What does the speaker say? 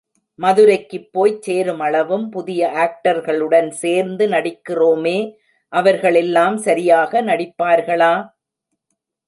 மதுரைக்குப் போய்ச் சேருமளவும், புதிய ஆக்டர்களுடன் சேர்ந்து நடிக்கிறோமே, அவர்கள் எல்லாம் சரியாக நடிப்பார்களா?